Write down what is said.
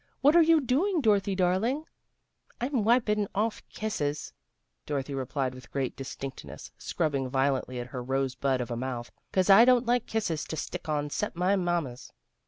What are you doing, Dorothy darling? "" I'm wipin' off kisses," Dorothy replied with great distinctness, scrubbing violently at her rosebud of a mouth. " 'Cause I don't like kisses to stick on, 'cept my mamma's."